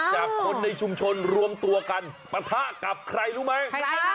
จากคนในชุมชนรวมตัวกันปะทะกับใครรู้ไหม